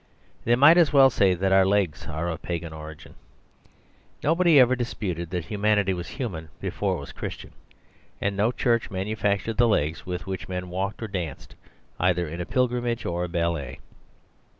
They might as well say that our legs are of pagan origin. Nobody ever disputed that humanity was human before it was Christian; and no Church manufactured the legs with which men walked or danced, either in a pilgrimage or a ballet.